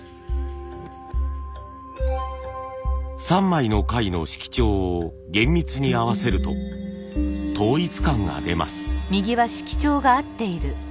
３枚の貝の色調を厳密に合わせると統一感が出ます。